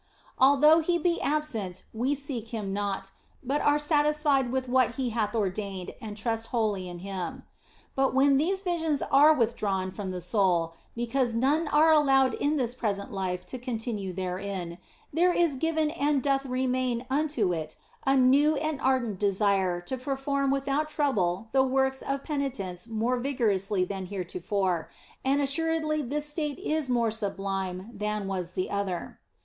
Although He be absent we seek Him not, but are satisfied with what He hath ordained and trust wholly in Him. But when these visions are withdrawn from the soul (because none are allowed in this present life to continue therein), there is given and doth remain unto it a new and ardent desire to perform without trouble the works 128 THE BLESSED ANGELA of penitence more vigorously than heretofore, and assuredly this state is more sublime than was the other.